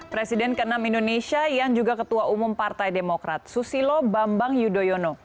presiden ke enam indonesia yang juga ketua umum partai demokrat susilo bambang yudhoyono